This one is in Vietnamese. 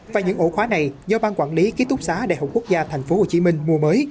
và những ổ khóa này do bang quản lý ký túc xá đại học quốc gia tp hcm mua mới